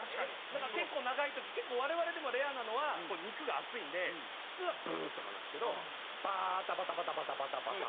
だから結構長い時結構我々でもレアなのはこう肉が厚いんで普通はブウー！とかなんですけどバータバタバタバタバタバタ。